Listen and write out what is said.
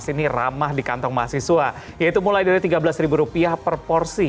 masih ini ramah di kantong mahasiswa yaitu mulai dari rp tiga belas per porsi